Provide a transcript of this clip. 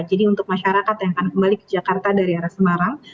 jadi untuk masyarakat yang akan kembali ke jakarta dari arah semarang